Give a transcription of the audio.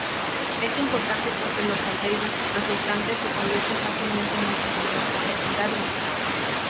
Es importante porque los aldehídos resultantes se convierten fácilmente en muchos productos secundarios.